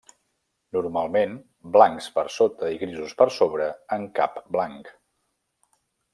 Normalment blancs per sota i grisos per sobre, amb cap blanc.